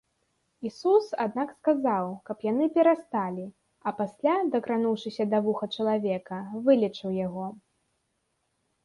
Ісус, аднак сказаў, каб яны перасталі, а пасля, дакрануўшыся да вуха чалавека, вылечыў яго.